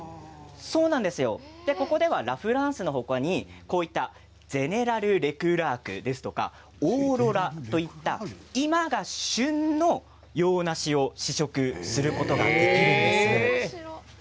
ここではラ・フランスの他にゼネラル・レクラークですとかオーロラといった今が旬の洋ナシを試食することができるんです。